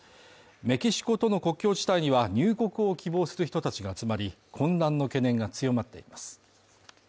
メキシコとの国境地帯には入国を希望する人たちが集まり、混乱の懸念が強まっています。